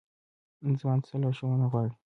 ځوان څه لارښوونه غواړي؟